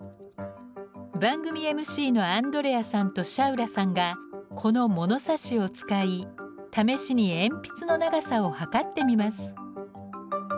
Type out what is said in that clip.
番組ＭＣのアンドレアさんとシャウラさんがこの物差しを使い試しに鉛筆の長さを測ってみます。